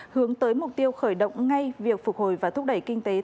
hướng tới mục tiêu khởi động ngay việc phục hồi và thúc đẩy kinh tế